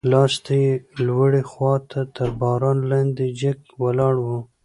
لاستي یې لوړې خواته تر باران لاندې جګ ولاړ و.